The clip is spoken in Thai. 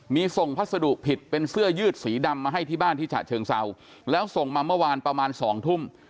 มีส่งพัสดุผิดเป็นเสื้อยืดสีดำมาให้ที่บ้านที่ฉะเชิงเศร้าแล้วส่งมาเมื่อวานประมาณสองทุ่ม